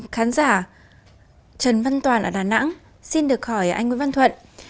khán giả trần văn toàn ở đà nẵng xin được hỏi anh nguyễn văn thuận